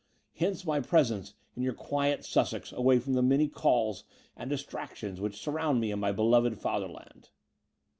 Hence my presence in your quiet Sussex away from the many calls and distractions which surround me in my beloved Fatherland."